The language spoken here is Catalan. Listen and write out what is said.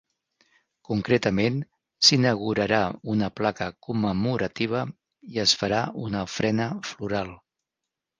Concretament, s’inaugurarà una placa commemorativa i es farà una ofrena floral.